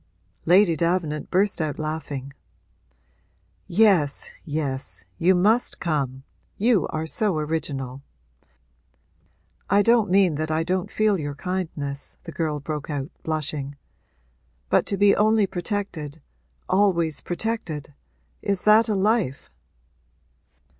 Lady Davenant burst out laughing. 'Yes, yes, you must come; you are so original!' 'I don't mean that I don't feel your kindness,' the girl broke out, blushing. 'But to be only protected always protected: is that a life?'